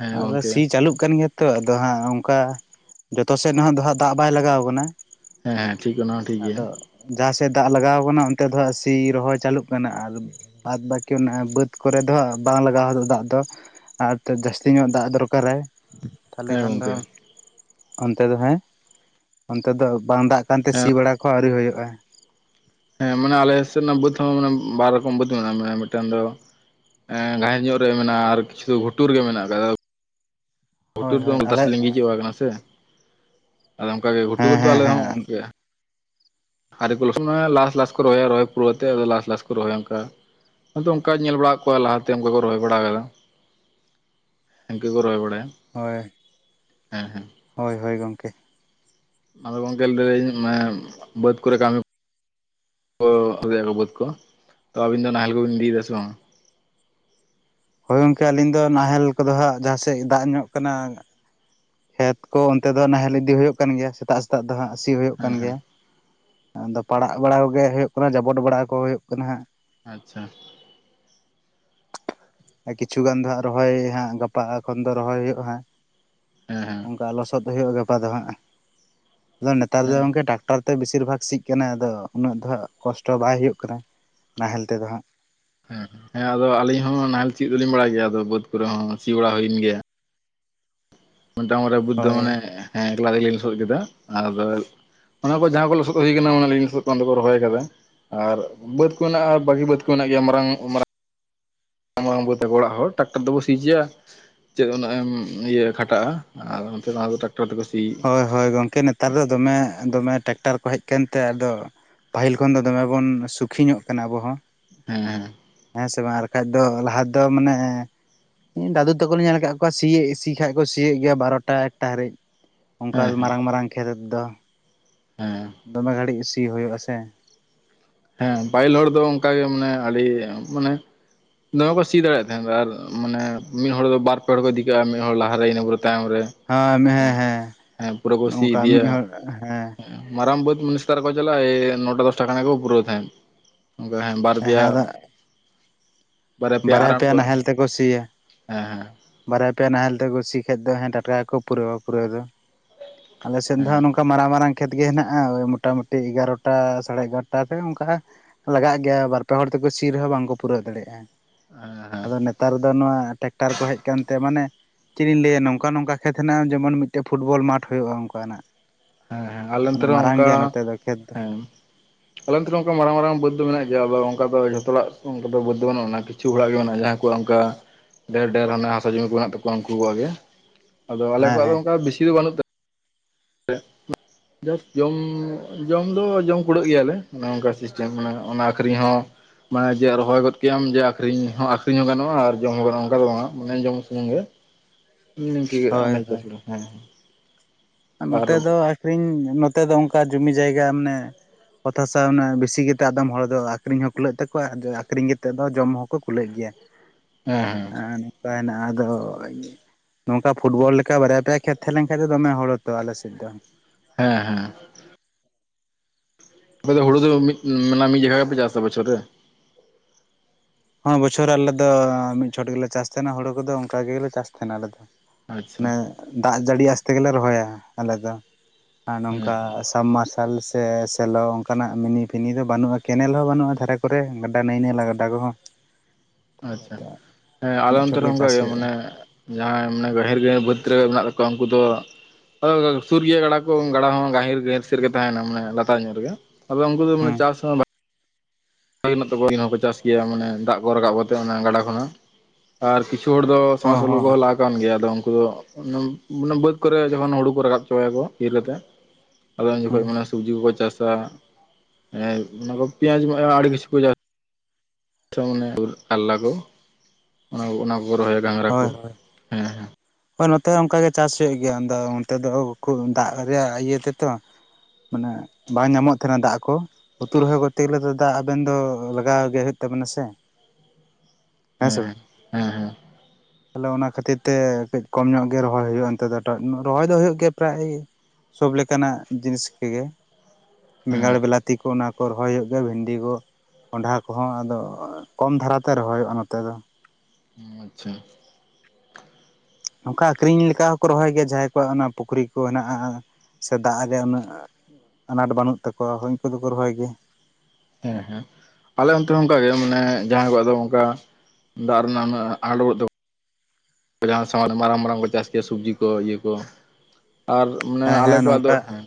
ᱦᱮᱸ ᱟᱫᱚ ᱜᱚᱝᱠᱮ ᱥᱤ ᱪᱟᱹᱞᱩᱜ ᱠᱟᱱ ᱜᱮᱭᱟ ᱱᱤᱛᱚᱜ ᱫᱚ ᱦᱟᱸᱜ ᱚᱝᱠᱟ ᱡᱚᱛᱚ ᱥᱮᱫ ᱱᱟᱦᱟᱜ ᱫᱚ ᱦᱟᱸᱜ ᱫᱟᱜ ᱵᱟᱭ ᱞᱟᱜᱟᱣ ᱠᱟᱱᱟ ᱾ ᱦᱮᱸ ᱴᱷᱤᱠ ᱚᱱᱟ ᱦᱚᱸ ᱴᱷᱤᱠ ᱜᱮᱭᱟ ᱾ ᱡᱟᱦᱟᱸ ᱥᱮᱫ ᱫᱟᱜ ᱞᱟᱜᱟᱣ ᱠᱟᱱᱟ ᱚᱱᱛᱮ ᱫᱚ ᱦᱟᱸᱜ ᱥᱤ ᱨᱚᱦᱚᱭ ᱪᱟᱹᱞᱩᱜ ᱠᱟᱱᱟ᱾ ᱟᱨ ᱵᱟᱫ ᱵᱟᱹᱠᱤ *unintelligible* ᱵᱟᱹᱫᱽ ᱠᱚᱨᱮ ᱫᱚ ᱦᱟᱸᱜ ᱵᱟᱝ ᱞᱟᱜᱟᱣ ᱦᱚᱫᱚᱜ ᱫᱟᱜ ᱫᱚ᱾ ᱟᱨ ᱱᱚᱛᱮ ᱡᱟᱹᱥᱛᱤ ᱧᱚᱜ ᱫᱟᱜ ᱫᱚᱨᱠᱟᱨᱟᱭ ᱾ ᱛᱟᱦᱞᱮ ᱦᱮᱸ ᱠᱷᱟᱱ ᱫᱚ ᱜᱚᱝᱠᱮ ᱚᱱᱛᱮ ᱫᱚ ᱦᱮᱸ ᱚᱱᱛᱮ ᱫᱚ ᱵᱟᱝ ᱫᱟᱜ ᱠᱟᱱᱛᱮ ᱥᱤ ᱵᱟᱲᱟ ᱠᱚᱦᱚ ᱟᱹᱣᱨᱤ ᱦᱳᱭᱳᱜᱼᱟ ᱾ ᱦᱮᱸ ᱢᱟᱱᱮ ᱟᱞᱮ ᱥᱮᱱ ᱱᱟᱜ ᱵᱟᱹᱫᱽ ᱦᱚᱸ ᱢᱟᱱᱮ ᱵᱟᱨ ᱨᱚᱠᱚᱢ ᱵᱟᱹᱫᱽ ᱢᱮᱱᱟᱜᱼᱟ᱾ ᱢᱟᱱᱮ ᱢᱤᱫᱴᱟᱝ ᱫᱚ ᱮᱸ ᱱᱟᱹᱦᱮᱜ ᱧᱚᱜ ᱨᱮ ᱢᱮᱱᱟᱜᱼᱟ ᱟᱨ ᱠᱤᱪᱷᱩ ᱫᱚ ᱜᱷᱩᱴᱩ ᱨᱮᱜᱮ ᱢᱮᱱᱟᱜ ᱟᱠᱟᱫᱟ ᱾ ᱜᱷᱩᱴᱩ ᱦᱳᱭ ᱦᱳᱭ ᱨᱮᱫᱚᱢ ᱛᱟᱥ ᱟᱞᱮ ᱞᱤᱸᱜᱤᱡᱚᱜ-ᱟ ᱥᱮ ᱟᱫᱚ ᱚᱝᱠᱟ ᱜᱮ ᱜᱷᱩᱴᱩ ᱦᱮᱸ ᱨᱮᱫᱚ ᱦᱮᱸ ᱟᱞᱮ ᱦᱚᱸ ᱦᱮᱸ ᱚᱱᱠᱟ ᱜᱮ ᱾ ᱟᱣᱨᱤᱠᱚ ᱞᱚᱥᱚᱫ ᱢᱟᱱᱮ ᱞᱟᱥ ᱞᱟᱥ ᱠᱚ ᱨᱚᱦᱚᱭᱟ ᱨᱚᱦᱚᱭ ᱯᱩᱨᱟᱹᱣ ᱛᱮ ᱟᱫᱚ ᱞᱟᱥ ᱞᱟᱥ ᱠᱚ ᱨᱚᱦᱚᱭᱟ ᱚᱝᱠᱟ ᱾ ᱟᱫᱚ ᱚᱝᱠᱟᱧ ᱧᱮᱞ ᱵᱟᱲᱟᱣ ᱟᱠᱟᱫ ᱠᱚᱣᱟ ᱞᱟᱦᱟᱛᱮ ᱚᱝᱠᱟ ᱠᱚ ᱨᱚᱦᱚᱭ ᱵᱟᱲᱟ ᱟᱠᱟᱫᱟ᱾ ᱤᱝᱠᱟᱹ ᱠᱚ ᱨᱚᱦᱚᱭ ᱵᱟᱲᱟᱭᱟ᱾ ᱦᱳᱭ᱾ ᱦᱮᱸ ᱦᱮᱸ᱾ ᱦᱳᱭ ᱦᱳᱭ ᱜᱚᱝᱠᱮ᱾ ᱟᱫᱚ ᱜᱚᱝᱠᱮ ᱞᱟᱹᱭ ᱫᱟᱹᱧ, ᱢᱟᱱᱮ ᱵᱟᱹᱫ ᱠᱚᱨᱮ ᱠᱟᱹᱢᱤ ᱠᱚ ᱞᱟᱹᱭᱟ ᱠᱚ ᱵᱟᱹᱫᱽ ᱠᱚ, ᱛᱚ ᱟᱵᱤᱱ ᱫᱚ ᱱᱟᱦᱮᱞ ᱠᱚᱵᱤᱱ ᱤᱫᱤᱭᱫᱟ ᱥᱮ ᱵᱟᱝ? ᱦᱳᱭ ᱜᱚᱝᱠᱮ ᱟᱹᱞᱤᱧ ᱫᱚ ᱱᱟᱦᱮᱞ ᱠᱚᱫᱚ ᱦᱟᱸᱜ ᱡᱟᱦᱟᱸ ᱥᱮᱡ ᱫᱟᱜ ᱧᱚᱜ ᱠᱟᱱᱟ ᱠᱷᱮᱛ ᱠᱚ ᱚᱱᱛᱮ ᱫᱚ ᱱᱟᱦᱮᱞ ᱤᱫᱤ ᱦᱩᱭᱩᱜ ᱠᱟᱱ ᱜᱮᱭᱟ, ᱥᱮᱛᱟᱜ ᱥᱮᱛᱟᱜ ᱫᱚ ᱦᱟᱸᱜ ᱥᱤ ᱦᱳᱭᱳᱜ ᱠᱟᱱ ᱜᱮᱭᱟ᱾ ᱟᱫᱚ ᱯᱟᱲᱟᱜ ᱵᱟᱲᱟ ᱠᱚᱜᱮ ᱦᱩᱭᱩᱜ ᱠᱟᱱᱟ, ᱡᱟᱵᱚᱴ ᱵᱟᱲᱟ ᱠᱚ ᱦᱳᱭᱳᱜ ᱠᱟᱱᱟ ᱦᱟᱸᱜ᱾ ᱟᱪᱪᱷᱟ᱾ ᱠᱤᱪᱷᱩ ᱜᱟᱱ ᱫᱚ ᱦᱟᱸᱜ ᱨᱚᱦᱚᱭ ᱦᱟᱸᱜ ᱜᱟᱯᱟ ᱠᱷᱚᱱ ᱫᱚ ᱨᱚᱦᱚᱭ ᱦᱳᱭᱳᱜᱼᱟ ᱦᱟᱸᱜ᱾ ᱦᱮᱸ ᱦᱮᱸ᱾ ᱚᱝᱠᱟ ᱞᱚᱥᱚᱫ ᱦᱩᱭᱩᱜᱼᱟ ᱜᱟᱯᱟ ᱫᱚ ᱦᱟᱸᱜ᱾ ᱟᱫᱚ ᱱᱮᱛᱟᱨ ᱫᱚ ᱦᱮᱸ ᱜᱚᱝᱠᱮ ᱴᱟᱠ ᱴᱟᱨ ᱛᱮ ᱵᱮᱥᱤᱨ ᱵᱷᱟᱜ ᱥᱤᱜ ᱠᱟᱱᱟ ᱟᱫᱚ ᱩᱱᱟᱹᱜ ᱫᱚ ᱦᱟᱸᱜ ᱠᱚᱥᱴᱚ ᱵᱟᱭ ᱦᱳᱭᱳᱜ ᱠᱟᱱᱟ ᱱᱟᱦᱮᱞ ᱛᱮᱫᱚ ᱦᱟᱸᱜ᱾ ᱦᱮᱸ ᱦᱮᱸ ᱟᱫᱚ ᱟᱹᱞᱤᱧ ᱦᱚᱸ ᱱᱟᱦᱮᱞ ᱥᱤᱭᱚᱜ ᱫᱚᱞᱤᱧ ᱵᱟᱲᱟᱭ ᱜᱮᱭᱟ, ᱟᱫᱚ ᱵᱟᱹᱫ ᱠᱚᱨᱮ ᱦᱚᱸ ᱥᱤ ᱵᱟᱲᱟ ᱦᱩᱭᱮᱱ ᱜᱮᱭᱟ᱾ ᱢᱚᱴᱟᱝ ᱵᱟᱨᱭᱟ ᱵᱟᱹᱫ ᱫᱚ ᱦᱳᱭ ᱢᱟᱱᱮ ᱦᱮᱸ ᱮᱠᱞᱟ ᱛᱮᱜᱮᱞᱤᱧ ᱞᱚᱥᱚᱫ ᱠᱮᱫᱟ ᱟᱫᱚ ᱚᱱᱟ ᱠᱚ ᱡᱟᱦᱟᱸ ᱠᱚ ᱞᱚᱥᱚᱫ ᱦᱩᱭ ᱠᱟᱱᱟ ᱚᱱᱟ ᱞᱤᱧ ᱞᱚᱥᱚᱫ ᱵᱟᱝ ᱫᱚᱠᱚ ᱨᱚᱦᱚᱭ ᱟᱠᱟᱫᱟ᱾ ᱟᱨ ᱵᱟᱹᱫ ᱠᱚ ᱢᱮᱱᱟᱜᱼᱟ, ᱵᱟᱹᱞᱤ ᱵᱟᱹᱫᱽ ᱠᱚ ᱢᱮᱱᱟᱜ ᱜᱮᱭᱟ ᱢᱟᱨᱟᱝ ᱢᱟᱨᱟᱝ᱾ ᱢᱟᱨᱢᱵᱟ ᱛᱟᱠᱚ ᱚᱲᱟᱜ ᱦᱚᱲ ᱴᱨᱟᱠᱴᱟᱨ ᱫᱚᱠᱚ ᱥᱤᱜᱮᱭᱟ᱾ ᱪᱮᱫ ᱩᱱᱟᱹᱜ ᱮᱢ ᱤᱭᱟᱹ ᱠᱷᱟᱴᱟᱜᱼᱟ ᱟᱨ ᱱᱚᱛᱮ ᱫᱚ ᱟᱫᱚ ᱴᱨᱟᱠᱴᱚᱨ ᱛᱮᱠᱚ ᱥᱤᱭ ᱦᱳᱭ ᱦᱳᱭ ᱜᱚᱝᱠᱮ ᱱᱮᱛᱟᱨ ᱫᱚ ᱫᱚᱢᱮ ᱫᱚᱢᱮ ᱴᱮᱠᱴᱟᱨ ᱠᱚ ᱦᱮᱡ ᱟᱠᱟᱱᱛᱮ ᱟᱫᱚ ᱯᱟᱦᱤᱞ ᱠᱷᱚᱱ ᱫᱚ ᱫᱚᱢᱮ ᱵᱚᱱ ᱥᱩᱠᱷᱤᱧᱚᱜ ᱠᱟᱱᱟ ᱟᱵᱚ ᱦᱚᱸ᱾ ᱦᱮᱸ ᱦᱮᱸ᱾ ᱦᱮᱸ ᱥᱮ ᱵᱟᱝ ᱟᱨ ᱵᱟᱠᱷᱟᱡ ᱫᱚ ᱞᱟᱦᱟᱛᱮᱫᱚ ᱢᱟᱱᱮ ᱫᱟᱫᱩ ᱛᱟᱠᱚᱞᱮ ᱧᱮᱞ ᱟᱠᱟᱫ ᱠᱚᱣᱟ ᱥᱤᱭᱮ ᱥᱤ ᱠᱷᱟᱡ ᱠᱚ ᱥᱤᱭᱮᱫ ᱜᱮᱭᱟ ᱵᱟᱨᱚᱴᱟ ᱮᱠᱴᱟ ᱦᱟᱨᱤᱡ᱾ ᱚᱱᱠᱟ ᱦᱮᱸ ᱦᱮᱸ ᱢᱟᱨᱟᱝ ᱢᱟᱨᱟᱝ ᱠᱷᱮᱛ ᱨᱮ ᱫᱚ ᱫᱚᱢᱮ ᱜᱷᱟᱹᱲᱤᱡ ᱥᱤ ᱦᱩᱭᱩᱜᱼᱟ ᱥᱮ᱾ ᱦᱮᱸ ᱯᱟᱹᱦᱤᱞ ᱦᱚᱲ ᱫᱚ ᱚᱱᱠᱟᱜᱮ ᱢᱟᱱᱮ ᱟᱹᱰᱤ ᱢᱟᱱᱮ ᱫᱚᱢᱮ ᱠᱚ ᱥᱤ ᱫᱟᱲᱮᱜ ᱛᱟᱦᱮᱫ ᱟᱨ ᱢᱟᱱᱮ ᱢᱤᱫ ᱦᱚᱲ ᱫᱚ ᱵᱟᱨ ᱯᱮ ᱦᱚᱲ ᱠᱚ ᱤᱫᱤ ᱠᱟᱜᱼᱟ ᱢᱤᱫ ᱦᱚᱲ ᱞᱟᱦᱟᱨᱮ ᱤᱱᱟᱹ ᱯᱚᱨᱮ ᱛᱟᱭᱚᱢ ᱨᱮ ᱦᱟᱢ ᱦᱮᱸ ᱦᱮᱸ ᱦᱮᱸ ᱯᱩᱨᱟᱹ ᱠᱚ ᱥᱤ ᱱᱚᱝᱠᱟ ᱢᱤᱫ ᱤᱫᱤᱭᱟ ᱦᱚᱲ ᱦᱮᱸ᱾ ᱢᱟᱨᱟᱝ ᱵᱟᱹᱫ ᱢᱩᱱᱤᱥ ᱥᱮᱛᱟ ᱨᱮᱠᱚ ᱪᱟᱞᱟᱜᱼᱟ ᱮᱭ ᱱᱚᱴᱟ ᱫᱚᱥᱴᱟ ᱠᱷᱟᱱ ᱜᱮᱠᱚ ᱯᱩᱨᱟᱹᱣ ᱛᱟᱦᱮᱫ᱾ ᱚᱱᱠᱟ ᱦᱮ ᱵᱟᱨ ᱦᱮᱸ ᱯᱮᱭᱟ᱾ ᱟᱫᱚ ᱵᱟᱨᱭᱟ ᱟᱨᱟᱬ ᱯᱮᱭᱟ ᱠᱚ ᱱᱟᱦᱮᱞ ᱦᱮᱸ ᱛᱮᱠᱚ ᱥᱤᱭᱟ᱾ ᱦᱮᱸ ᱵᱟᱨᱭᱟ ᱯᱮᱭᱟ ᱱᱟᱦᱮᱞ ᱛᱮᱠᱚ ᱥᱤ ᱠᱷᱟᱡ ᱫᱚ ᱦᱮᱸ ᱴᱟᱴᱠᱟ ᱜᱮᱠᱚ ᱯᱩᱨᱟᱹᱣᱟ ᱯᱩᱨᱟᱹᱣ ᱫᱚ᱾ ᱟᱞᱮᱥᱮᱱ ᱫᱚ ᱦᱮᱸ ᱦᱟ ᱱᱚᱝᱠᱟ ᱢᱟᱨᱟᱝ ᱢᱟᱨᱟᱝ ᱠᱷᱮᱛ ᱜᱮ ᱦᱮᱱᱟᱜᱼᱟ ᱳᱭ ᱢᱚᱴᱟᱢᱩᱴᱤ ᱮᱜᱟᱨᱚᱴᱟ ᱥᱟᱲᱮ ᱮᱜᱟᱨᱚᱴᱟ ᱨᱮ ᱚᱱᱠᱟ ᱞᱟᱜᱟᱜ ᱜᱮᱭᱟ ᱵᱟᱨ ᱯᱮ ᱦᱚᱲ ᱛᱮᱠᱚ ᱥᱤ ᱨᱮᱦᱚ ᱵᱟᱝᱠᱚ ᱯᱩᱨᱟᱹᱣ ᱫᱟᱲᱮᱜᱼᱟ᱾ ᱦᱮᱸ ᱟᱫᱚ ᱱᱮᱛᱟᱨ ᱫᱚ ᱱᱚᱣᱟ ᱴᱮᱠᱴᱟᱨ ᱠᱚ ᱦᱮᱡ ᱟᱠᱟᱱᱛᱮ ᱢᱟᱱᱮ ᱪᱮᱫ ᱤᱧ ᱞᱟᱹᱭᱟ ᱱᱚᱝᱠᱟ ᱱᱚᱝᱠᱟ ᱠᱷᱮᱛ ᱦᱮᱱᱟᱜᱼᱟ ᱡᱮᱢᱚᱱ ᱢᱤᱫᱴᱮᱡ ᱯᱷᱩᱴᱵᱚᱞ ᱢᱟᱴᱷ ᱦᱩᱭᱩᱜᱼᱟ ᱚᱱᱠᱟᱱᱟᱜ᱾ ᱦᱮᱸ ᱦᱮᱸ, ᱟᱞᱮ ᱚᱱᱛᱮ ᱚᱱᱟ ᱨᱮ ᱢᱟᱨᱟᱝ ᱚᱱᱠᱟ ᱜᱮᱭᱟ ᱱᱚᱛᱮ ᱫᱚ ᱠᱷᱮᱛ ᱫᱚ ᱦᱮᱸ᱾ ᱟᱞᱮ ᱚᱱᱛᱮᱨᱮ ᱚᱱᱠᱟ ᱢᱟᱨᱟᱝ ᱢᱟᱨᱟᱝ ᱵᱟᱹᱫ ᱫᱚ ᱢᱮᱱᱟᱜ ᱜᱮᱭᱟ ᱟᱫᱚ ᱚᱱᱠᱟ ᱫᱚ ᱡᱷᱚᱛᱚᱦᱚᱲᱟᱜ ᱚᱱᱠᱟ ᱫᱟ ᱵᱟᱹᱫ ᱫᱟ ᱵᱟᱱᱩᱟᱱᱟ᱾ ᱠᱤᱪᱷᱩ ᱦᱚᱲᱟᱜ ᱜᱮ ᱚᱱᱟ ᱡᱟᱦᱟ ᱠᱚᱭᱟᱜ ᱚᱱᱠᱟ ᱰᱷᱮᱨ ᱰᱷᱮᱨ ᱦᱟᱱᱮ ᱦᱟᱥᱟ ᱡᱚᱢᱤ ᱠᱚ ᱢᱮᱱᱟᱜ ᱛᱟᱠᱚᱣᱟ ᱩᱱᱠᱩ ᱠᱚᱣᱟᱜ ᱜᱮ᱾ ᱟᱫᱚ ᱟᱞᱮ ᱦᱮᱸ ᱠᱚᱣᱟᱜ ᱫᱚ ᱦᱮᱸ ᱚᱱᱠᱟ ᱵᱤᱥᱤ ᱫᱚ ᱵᱟᱹᱱᱩᱜ ᱛᱚ᱾ ᱡᱟᱥᱴ ᱡᱚᱢ ᱡᱚᱢ ᱫᱚ ᱡᱚᱢ ᱠᱩᱲᱟᱹᱜ ᱜᱮᱭᱟᱞᱮ ᱚᱱᱮ ᱚᱱᱠᱟ ᱥᱤᱥᱴᱮᱢ ᱢᱟᱱᱮ ᱚᱱᱟ ᱟᱠᱷᱨᱤᱧ ᱦᱚᱸ ᱢᱟᱱᱮ ᱡᱮ ᱨᱚᱦᱚᱭ ᱜᱚᱫ ᱠᱮᱟᱢ ᱡᱮ ᱟᱠᱷᱨᱤᱧ ᱦᱚᱸ ᱟᱠᱷᱨᱤᱧ ᱦᱚᱸ ᱜᱟᱱᱚᱜᱼᱟ ᱟᱨ ᱡᱚᱢ ᱦᱚ ᱜᱟᱱᱚᱜᱼᱟ ᱚᱱᱠᱟ ᱫᱚ ᱵᱟᱝ ᱢᱟᱱᱮ ᱡᱚᱢ ᱥᱩᱢᱩᱝ ᱜᱮ᱾ ᱦᱩᱸ ᱱᱤᱝᱠᱟᱹ ᱜᱮ ᱦᱳᱭ ᱦᱳᱭ *unintelligible* ᱱᱚᱛᱮ ᱫᱚ ᱟᱠᱷᱨᱤᱧ ᱱᱚᱛᱮ ᱫᱚ ᱚᱱᱠᱟ ᱡᱩᱢᱤ ᱡᱟᱭᱜᱟ ᱢᱟᱱᱮ ᱚᱛ ᱦᱟᱥᱟ ᱚᱱᱮ ᱵᱤᱥᱤ ᱜᱮᱛᱮ ᱟᱫᱚᱢ ᱦᱚᱲ ᱫᱚ ᱟᱠᱷᱨᱤᱧ ᱦᱚᱸ ᱠᱩᱞᱟᱹᱜ ᱛᱟᱠᱚᱣᱟ ᱟᱨ ᱡᱚ ᱟᱠᱷᱨᱤᱧ ᱠᱟᱛᱮᱫ ᱫᱚ ᱡᱚᱢ ᱦᱚᱠᱚ ᱠᱩᱞᱟᱹᱜ ᱜᱮᱭᱟ ᱾ ᱦᱩᱸ ᱦᱮᱸ ᱱᱚᱝᱠᱟ ᱦᱮᱱᱟᱜᱼᱟ ᱟᱫᱚ ᱱᱚᱝᱠᱟ ᱯᱷᱩᱴᱵᱚᱞ ᱞᱮᱠᱟ ᱵᱟᱨᱭᱟ ᱯᱮᱭᱟ ᱠᱷᱮᱛ ᱛᱟᱦᱮᱸ ᱞᱮᱱ ᱠᱷᱟᱡ ᱫᱚ ᱫᱚᱢᱮ ᱦᱚᱲ ᱫᱚ ᱟᱞᱮ ᱥᱮᱫ ᱫᱚ ᱦᱮᱸ ᱦᱮᱸ ᱟᱯᱮ ᱫᱚ ᱦᱩᱲᱩ ᱫᱚ ᱢᱤᱫ ᱢᱟᱱᱮ ᱢᱤᱫ ᱡᱮᱠᱷᱟ ᱜᱮᱯᱮ ᱪᱟᱥᱟ ᱵᱚᱪᱷᱚᱨ ᱨᱮ ᱦᱚᱸ ᱵᱚᱪᱷᱚᱨ ᱨᱮ ᱟᱞᱮ ᱫᱚ ᱢᱤᱫ ᱪᱷᱚᱴ ᱜᱮᱞᱮ ᱪᱟᱥ ᱛᱟᱦᱮᱱᱟ ᱦᱩᱲᱩ ᱠᱚᱫᱚ ᱚᱱᱠᱟ ᱜᱮᱞᱮ ᱪᱟᱥ ᱛᱟᱦᱮᱱᱟ ᱟᱞᱮ ᱫᱚ ᱟᱪᱪᱷᱟ ᱢᱟᱱᱮ ᱫᱟᱜ ᱡᱟᱲᱤ ᱟᱥ ᱛᱮᱜᱮᱞᱮ ᱨᱚᱦᱚᱭᱟ ᱟᱞᱮ ᱫᱚ ᱟᱨ ᱱᱚᱝᱠᱟ ᱥᱟᱢᱢᱟᱨᱥᱟᱞ ᱥᱮ ᱥᱮᱞᱚ ᱚᱱᱠᱟᱱᱟᱜ ᱢᱤᱱᱤ ᱯᱷᱤᱱᱤ ᱫᱚ ᱵᱟᱱᱩᱜᱼᱟ ᱠᱮᱱᱮᱞ ᱦᱚᱸ ᱵᱟᱱᱩᱜᱼᱟ ᱫᱷᱟᱨᱮ ᱠᱚᱨᱮ ᱜᱟᱰᱟ ᱱᱟᱹᱭ ᱱᱟᱞᱟ ᱜᱟᱰᱟ ᱠᱚᱦᱚᱸ ᱟᱪᱪᱷᱟ ᱦᱮᱸ ᱟᱞᱮ ᱢᱤᱫ ᱚᱱᱛᱮ ᱪᱷᱚᱴ ᱨᱮ ᱜᱮ ᱦᱚᱸ ᱪᱟᱥ ᱚᱱᱠᱟᱜᱮ ᱦᱩᱭᱩᱜᱼᱟ ᱢᱟᱱᱮ ᱡᱟᱦᱟᱸᱭ ᱢᱟᱱᱮ *unintelligible* ᱵᱟᱹᱫᱽ ᱨᱮ ᱢᱮᱱᱟᱜ ᱛᱟᱠᱚᱣᱟ ᱩᱱᱠᱩ ᱫᱚ *unintelligible* ᱥᱩᱨ ᱜᱮᱭᱟ ᱜᱟᱰᱟ ᱠᱚ ᱜᱟᱰᱟ ᱦᱚᱸ ᱜᱟᱦᱤᱨ ᱜᱟᱹᱦᱤᱨ ᱥᱮᱫ ᱨᱮᱜᱮ ᱛᱟᱦᱮᱱᱟ ᱢᱟᱱᱮ ᱞᱟᱛᱟᱨ ᱧᱚᱜ ᱨᱮᱜᱮ ᱟᱫᱚ ᱩᱱᱠᱩ ᱫᱚ ᱢᱟᱱᱮ ᱦᱮᱸ ᱪᱟᱥ ᱦᱚᱸ *unintelligible* ᱦᱚᱠᱚ ᱪᱟᱥ ᱜᱮᱭᱟ ᱢᱟᱱᱮ ᱫᱟᱜ ᱠᱚ ᱨᱟᱠᱟᱵ ᱠᱟᱛᱮᱫ ᱚᱱᱟ ᱜᱟᱰᱟ ᱠᱷᱚᱱᱟᱜ ᱟᱨ ᱠᱤᱪᱷᱩ ᱦᱚᱲ ᱫᱚ ᱦᱚᱸ *unintelligible* ᱞᱟᱜ ᱠᱟᱱ ᱜᱮᱭᱟ ᱟᱫᱚ ᱩᱱᱠᱩ ᱫᱚ ᱚᱱᱮ ᱵᱟᱹᱫᱽ ᱠᱚᱨᱮ ᱡᱚᱠᱷᱚᱱ ᱦᱩᱲᱩ ᱠᱚ ᱨᱟᱠᱟᱵ ᱪᱟᱵᱟᱭᱟᱠᱚ ᱤᱨ ᱠᱟᱛᱮᱫ ᱟᱫᱚ ᱩᱱ ᱦᱚᱸ ᱡᱚᱠᱷᱚᱱ ᱢᱟᱱᱮ ᱥᱚᱵᱡᱤ ᱠᱚᱠᱚ ᱪᱟᱥᱟ ᱮᱫ ᱚᱱᱟ ᱠᱚ ᱯᱮᱭᱟᱡ ᱟᱹᱰᱤ ᱠᱤᱪᱷᱩ ᱠᱚ ᱪᱟ ᱥᱟ ᱢᱟᱱᱮ ᱠᱟᱞᱞᱟ ᱠᱚ ᱚᱱᱟ ᱚᱱᱟ ᱠᱚ ᱨᱚᱦᱚᱭᱟ ᱜᱷᱟᱸᱜᱽᱨᱟ ᱠᱚ ᱦᱳᱭ ᱦᱳᱭ ᱦᱮᱸ ᱦᱮᱸ ᱦᱳᱭ ᱱᱚᱛᱮ ᱦᱚᱸ ᱚᱱᱠᱟᱜᱮ ᱪᱟᱥ ᱦᱩᱭᱩᱜ ᱜᱮᱭᱟ ᱟᱫᱚ ᱚᱱᱛᱮ ᱫᱚ ᱠᱷᱩᱵ ᱫᱟᱜ ᱨᱮᱭᱟᱜ ᱤᱭᱟᱹ ᱛᱮᱛᱚ ᱢᱟᱱᱮ ᱵᱟᱝ ᱧᱟᱢᱚᱜ ᱛᱟᱦᱮᱱᱟ ᱫᱟᱜ ᱠᱚ ᱩᱛᱩ ᱨᱚᱦᱚᱭ ᱠᱚᱨᱛᱮ ᱜᱮᱞᱮ ᱫᱚ ᱫᱟᱜ ᱟᱵᱮᱱ ᱫᱚ ᱞᱟᱜᱟᱣ ᱜᱮ ᱦᱩᱭᱩᱜ ᱛᱟᱵᱮᱱᱟ ᱥᱮ *inaudible* ᱦᱮᱸ ᱥᱮ ᱵᱟᱝ ᱦᱮᱸ ᱦᱮᱸ ᱛᱟᱦᱚᱞᱮ ᱚᱱᱟ ᱠᱷᱟᱛᱤᱨ ᱛᱮᱼᱼ ᱠᱟᱹᱡ ᱠᱚᱢ ᱧᱚᱜ ᱜᱮ ᱨᱚᱦᱚᱭ ᱦᱩᱭᱩᱜ-ᱟ ᱱᱚᱛᱮ ᱫᱚ ᱴᱚᱜ ᱨᱚᱦᱚᱭ ᱫᱚ ᱦᱩᱭᱩᱜ ᱜᱮᱭᱟ ᱯᱨᱟᱭᱼᱼ ᱥᱳᱵᱽ ᱞᱮᱠᱟ ᱱᱟᱜ ᱡᱤᱱᱤᱥ ᱠᱚᱜᱮ ᱵᱮᱸᱜᱟᱲ ᱦᱮᱸ ᱵᱮᱞᱟᱛᱤ ᱠᱚ ᱚᱱᱟᱼᱼ ᱠᱚ ᱨᱚᱦᱚᱭ ᱦᱩᱭᱩᱜ ᱜᱮᱭᱟ ᱵᱷᱤᱱᱰᱤ ᱠᱚ ᱠᱚᱸᱰᱷᱦᱟ ᱠᱚ ᱦᱚᱸ ᱟᱫᱚ ᱚᱻ ᱠᱚᱢ ᱫᱷᱟᱨᱟ ᱛᱮ ᱨᱚᱦᱚᱭᱚᱜ-ᱟ ᱱᱚᱛᱮ ᱫᱚ᱾ ᱩᱸᱻ ᱟᱪᱪᱷᱟ᱾ ᱱᱚᱠᱟ ᱟᱠᱷᱨᱤᱧ ᱞᱮᱠᱟ ᱦᱚᱸᱠᱚ ᱨᱚᱦᱚᱭ ᱜᱮᱭᱟ ᱡᱟᱦᱟᱸᱭ ᱠᱚᱣᱟᱜ ᱚᱱᱟ ᱯᱩᱠᱷᱨᱤ ᱠᱚ ᱦᱮᱱᱟᱜ-ᱟ ᱥᱮ ᱫᱟᱜ ᱨᱮᱭᱟᱜ ᱩᱱᱟᱹᱜᱼᱼ ᱟᱱᱟᱴ ᱵᱟᱱᱩᱜ ᱛᱟᱠᱚᱣᱟ ᱦᱳᱭ ᱩᱱᱠᱩ ᱫᱚᱠᱚ ᱨᱚᱦᱚᱭ ᱜᱮᱭᱟ᱾ ᱦᱮᱸ ᱦᱮᱸ ᱟᱞᱮ ᱚᱱᱛᱮ ᱦᱚᱸ ᱚᱱᱠᱟ ᱜᱮ ᱢᱟᱱᱮ ᱡᱟᱦᱟᱸᱭ ᱠᱚᱣᱟᱜ ᱫᱚ ᱚᱱᱠᱟᱼᱼ ᱫᱟᱜ ᱨᱮᱱᱟᱜ ᱩᱱᱟᱹᱜ‌ ᱟᱱᱟᱴ‌ ᱵᱟᱹᱱᱩᱜ ᱛᱟᱠᱚᱼᱼ ᱡᱟᱦᱟᱸ ᱥᱟᱶᱟᱨ ᱢᱟᱨᱟᱝ ᱢᱟᱨᱟᱝ ᱠᱚ ᱪᱟᱥ ᱜᱮᱭᱟ ᱥᱩᱵᱽᱡᱤ ᱠᱚ ᱤᱭᱟᱹ ᱠᱚ ᱟᱨ ᱢᱟᱱᱮ ᱦᱮᱸ ᱟᱞᱮ ᱦᱮᱸ ᱠᱚᱣᱟᱜ ᱫᱚ ᱱᱚᱝᱠᱟ ᱦᱮᱸ᱾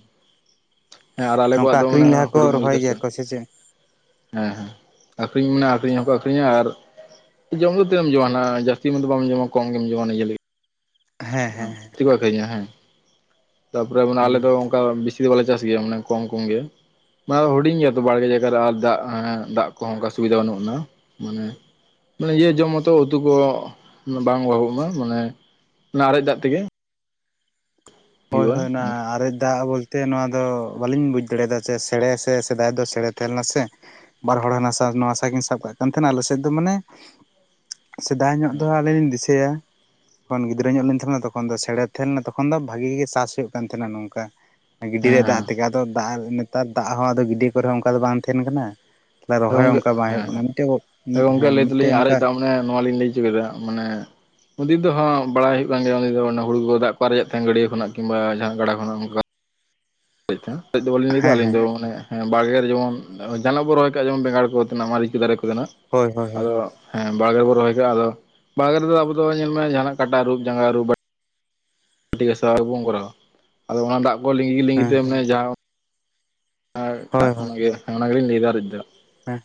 ᱦᱮᱸ ᱟᱨ ᱟᱞᱮ ᱱᱚᱝᱠᱟ ᱠᱚᱣᱟᱜ ᱫᱚ ᱢᱟᱱᱮ ᱟᱠᱷᱨᱤᱧ ᱞᱟᱦᱟ ᱠᱚ ᱦᱩᱰᱤᱧ ᱜᱮᱞᱮ ᱨᱚᱦᱚᱭ ᱪᱟᱥᱟ᱾ ᱜᱮᱭᱟ ᱠᱚ ᱥᱮ ᱪᱮᱜ᱾ ᱮᱸ ᱟᱠᱷᱨᱤᱧ ᱢᱟᱱᱮ ᱟᱠᱷᱨᱤᱧ ᱦᱚᱸ ᱠᱚᱼᱼ ᱟᱹᱠᱷᱨᱤᱧᱟ ᱟᱨ ᱡᱚᱢ ᱫᱚ ᱛᱤᱱᱟᱹᱜ ᱡᱚᱢᱟ ᱱᱟᱦᱟᱸᱜ ᱡᱟᱹᱥᱛᱤ ᱢᱟᱛᱚ ᱵᱟᱢ ᱡᱚᱢᱟ ᱠᱚᱢ ᱜᱮᱢ ᱡᱚᱢᱟ ᱚᱱᱮ‌ ᱱᱤᱡᱮᱨ ᱞᱟᱹᱜᱤᱜ᱾ ᱦᱮᱸ ᱦᱮᱸ ᱦᱮᱸ ᱛᱤ ᱠᱚ ᱟᱠᱷᱨᱤᱧᱟ ᱦᱮᱸ ᱛᱟᱨᱯᱚᱨᱮ ᱢᱟᱱᱮ ᱟᱞᱮ ᱦᱩᱸ ᱫᱚ ᱚᱱᱠᱟ ᱵᱤᱥᱤᱼᱼ ᱫᱚ ᱵᱟᱞᱮ‌ ᱪᱟᱥ ᱜᱮᱭᱟ ᱢᱟᱱᱮ ᱠᱚᱢ ᱠᱚᱢ ᱜᱮ᱾ ᱵᱟ ᱟᱫᱚ ᱦᱩᱰᱤᱧ ᱜᱮᱭᱟ ᱛᱚ ᱵᱟᱲᱜᱮ ᱡᱟᱭᱜᱟ ᱨᱮ ᱟᱨ ᱫᱟᱜ‌ ᱦᱮᱸ‌ ᱫᱟᱜ ᱠᱚᱦᱚᱸ ᱚᱱᱠᱟ ᱥᱩᱵᱤᱫᱟ ᱵᱟᱹᱱᱩᱜ ᱟᱱᱟ ᱢᱟᱱᱮᱼᱼ ᱢᱟᱱᱮ ᱤᱭᱟᱹ ᱡᱚᱢ ᱢᱚᱛᱚ ᱩᱛᱩ ᱠᱚ ᱚᱱᱮ ᱵᱟᱝ ᱵᱚᱦᱩᱜ ᱩᱱᱟᱹᱜ ᱢᱟᱱᱮᱼᱼ ᱚᱱᱮ ᱟᱨᱮᱡ ᱫᱟᱜ ᱛᱮᱜᱮ᱾ ᱦᱳᱭ ᱦᱩᱭᱩᱜᱼᱟ ᱦᱳᱭ ᱚᱱᱟ ᱟᱨᱮᱡ ᱫᱟᱜ ᱵᱚᱞᱼᱼ ᱛᱮ ᱱᱚᱣᱟ ᱫᱚ ᱵᱟᱞᱤᱧ ᱵᱩᱡᱽ ᱫᱟᱲᱮ ᱭᱟᱫᱟ ᱪᱮ ᱥᱮᱲᱮ ᱥᱮ ᱥᱮᱫᱟᱭ ᱫᱚ ᱥᱮᱲᱮ ᱛᱮᱦᱮᱸ ᱞᱮᱱᱟ ᱥᱮ᱾ ᱵᱟᱨ ᱦᱚᱲ ᱦᱟᱱᱟ ᱥᱟ ᱱᱚᱣᱟ ᱥᱟ ᱠᱤᱱ ᱥᱟᱵ ᱠᱟᱜ ᱠᱟᱱ ᱛᱟᱦᱮᱱᱟ ᱟᱞᱮ ᱥᱮᱫ ᱫᱚ ᱢᱟᱱᱮ ᱥᱮᱫᱟᱭ ᱧᱚᱜ ᱫᱚ ᱟᱞᱤᱧ ᱞᱤᱧ ᱫᱤᱥᱟᱹᱭᱟ᱾ ᱠᱷᱚᱱ ᱜᱤᱫᱽᱨᱟᱹ ᱧᱚᱜ ᱞᱤᱧ ᱛᱟᱦᱮᱸ ᱠᱟᱱᱟ ᱛᱚᱠᱷᱚᱱ ᱫᱚ ᱥᱮᱲᱮ ᱛᱷᱮᱱ ᱛᱷᱮᱱ ᱞᱮᱱᱟ ᱛᱚᱠᱷᱚᱱ ᱫᱚ ᱵᱷᱟᱜᱮ ᱜᱮ ᱪᱟᱥ ᱦᱩᱭᱩᱜ ᱠᱟᱱ ᱛᱮᱦᱮᱱᱟ ᱱᱚᱝᱠᱟ᱾ ᱜᱤᱰᱭᱟᱹ ᱨᱮ ᱫᱟᱜ ᱦᱮᱸ ᱛᱮᱜᱮ ᱟᱫᱚ ᱫᱟᱜ ᱱᱮᱛᱟᱨ ᱫᱟᱜ ᱦᱚᱸ ᱟᱫᱚ ᱜᱤᱰᱭᱟᱹ ᱠᱚᱨᱮ ᱦᱚᱸ ᱚᱱᱠᱟ ᱫᱚ ᱵᱟᱝ ᱛᱮᱦᱮᱱ ᱠᱟᱱᱟ᱾ ᱛᱟᱞᱦᱮ‌ ᱦᱮᱸ ᱨᱚᱦᱚᱭ ᱦᱚᱸ ᱜᱚᱝᱠᱮ ᱚᱱᱠᱟ ᱵᱟᱸᱭ ᱦᱩᱭᱩᱜ ᱦᱮᱸ ᱠᱟᱱᱟ ᱢᱤᱫᱴᱮᱡ ᱩᱸ ᱩᱸᱜ ᱜᱚᱝᱠᱮ ᱦᱮᱸ ᱞᱟᱹᱭ ᱫᱟᱞᱤᱧ ᱢᱤᱫᱴᱮᱡ ᱚᱱᱠᱟ ᱟᱨᱮᱡ ᱫᱟᱜ ᱢᱟᱱᱮ ᱱᱚᱣᱟ ᱞᱤᱧ ᱞᱟᱹᱭ ᱩᱪᱩ ᱠᱮᱫᱟ ᱢᱟᱱᱮ ᱩᱱ ᱫᱤᱱ ᱫᱚ ᱦᱟᱸᱜ ᱵᱟᱲᱟᱭ ᱦᱩᱭᱩᱜ ᱠᱟᱱ ᱜᱮᱭᱟ, ᱩᱱ ᱫᱤᱱ ᱫᱚ ᱚᱱᱟ ᱦᱩᱲᱩ ᱠᱚ ᱫᱟᱜ ᱠᱚ ᱟᱨᱮᱡᱮᱫ ᱛᱮᱦᱮᱸᱱ ᱜᱟᱹᱰᱭᱟᱹ ᱠᱷᱚᱱᱟᱜ ᱠᱤᱝᱵᱟ ᱡᱟᱦᱟᱸ ᱜᱟᱰᱟ ᱠᱷᱚᱱᱟᱜ ᱚᱱᱠᱟ᱾ ᱟᱨᱮᱡ ᱛᱮᱦᱮᱸᱱᱟ, ᱟᱨᱮᱡ ᱫᱚ ᱵᱟᱞᱤᱧ ᱞᱟᱹᱭ ᱫᱟ ᱦᱮᱸ ᱟᱹᱞᱤᱧ ᱦᱮᱸ ᱫᱚ ᱢᱟᱱᱮ ᱦᱮᱸ ᱵᱟᱲᱜᱮ ᱨᱮ ᱡᱮᱢᱚᱱ ᱚ ᱡᱟᱦᱟᱸᱱᱟᱜ ᱵᱚᱱ ᱨᱚᱦᱚᱭ ᱠᱟᱜ-ᱟ ᱡᱮᱢᱚᱱ ᱵᱮᱸᱜᱟᱲ ᱠᱚ ᱛᱮᱱᱟᱜ ᱢᱟᱨᱤᱪ ᱠᱚ ᱫᱟᱨᱮ ᱠᱚᱜᱮ ᱛᱮᱱᱟᱜ, ᱦᱳᱭ ᱦᱳᱭ ᱦᱳᱭ ᱟᱫᱚ ᱦᱮᱸ ᱵᱟᱲᱜᱮ ᱨᱮᱵᱚᱱ ᱨᱚᱦᱚᱭ ᱠᱟᱜ-ᱟ ᱟᱫᱚ ᱵᱟᱲᱜᱮ ᱨᱮᱫᱚ ᱟᱵᱚ ᱫᱚ ᱧᱮᱞ ᱢᱮ ᱡᱟᱦᱟᱸᱱᱟᱜ ᱠᱟᱴᱟ ᱟᱨᱩᱵ ᱡᱟᱸᱜᱟ ᱟᱨᱩᱵ ᱵᱟ ᱵᱟᱴᱤ ᱜᱟᱥᱟᱣ ᱟᱵᱚ ᱵᱚᱱ ᱠᱚᱨᱟᱣᱟ, ᱟᱫᱚ ᱚᱱᱟ ᱫᱟᱜ ᱠᱚ ᱞᱤᱸᱜᱤ ᱞᱤᱜᱤ ᱦᱮᱸ ᱛᱮ ᱢᱟᱱᱮ ᱡᱟᱦᱟᱸ ᱦᱳᱭ *inaudible* ᱦᱳᱭ ᱚᱱᱟ ᱜᱮ, ᱦᱮᱸ ᱟᱱᱟ ᱜᱮᱞᱤᱧ ᱞᱟᱹᱭ ᱫᱟ ᱟᱨᱮᱡ ‌ᱫᱚ᱾ ᱦᱮᱸ᱾